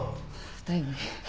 だよね。